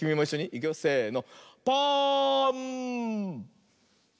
いくよせの。